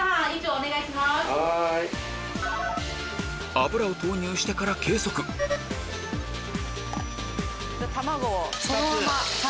油を投入してから計測卵をそのまま。